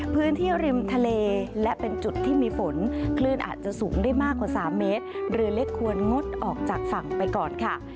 พื้นที่ริมทะเลและเป็นจุดที่มีฝนคลื่นอาจจะสูงได้มากกว่าสามเมตรเรือเล็กควรงดออกจากฝั่งไปก่อนค่ะ